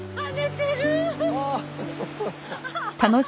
ああ。